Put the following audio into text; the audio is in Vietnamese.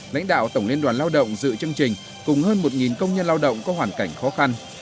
lãnh đạo tổng liên đoàn lao động dự chương trình cùng hơn một công nhân lao động có hoàn cảnh khó khăn